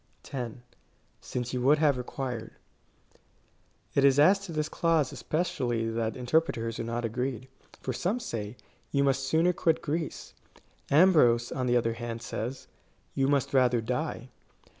10. Since you would have required. It is as to this clause especially that interpreters are not agreed. For some say, " You must sooner quit Greece.'' Ambrose, on the other hand, says, " You must rather die."